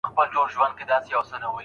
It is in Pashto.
که مسوده ونه کتل سي تېروتني پاته کېږي.